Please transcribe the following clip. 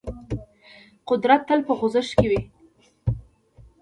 قدرت تل په خوځښت کې وي.